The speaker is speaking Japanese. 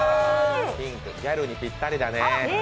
ギャルにぴったりだね。